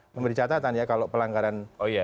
memberi catatan ya kalau pelanggaran